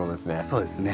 そうですね。